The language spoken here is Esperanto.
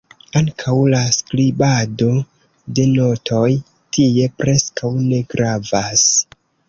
Ankaŭ la "skribado" de notoj tie preskaŭ ne gravas.